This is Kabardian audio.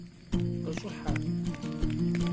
Khış'ıhe!